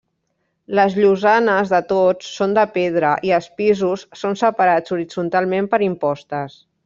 Les llosanes de tots són de pedra i els pisos són separats horitzontalment per impostes.